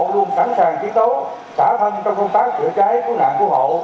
luôn sẵn sàng chiến đấu xả thân trong công tác chữa trái cứu nạn cứu hộ